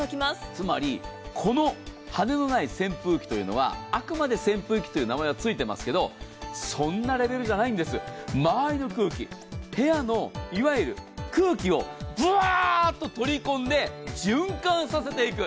つまり、この羽根のない扇風機は、あくまで「扇風機」という名前がついてますけどそんなレベルじゃないんです、まわりの空気、部屋のいわゆる空気をぶわーっと取り込んで、循環させていく。